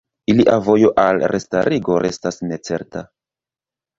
Ilia vojo al restarigo restas necerta.